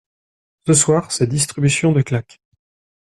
Ce soir c'est distribution de claques.